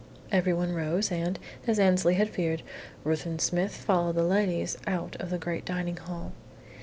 Everyone rose, and, as Annesley had feared, Ruthven Smith followed the ladies out of the great dining hall.